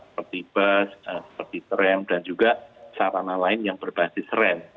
seperti bus seperti tram dan juga sarana lain yang berbasis rem